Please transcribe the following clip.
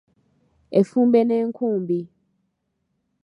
Effumbe n'enkumbi.